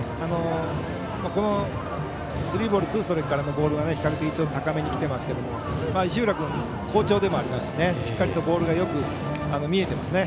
このスリーボールツーストライクからのボールが比較的高めにきていますけど石浦君、好調でもありますししっかりとボールがよく見えていますね。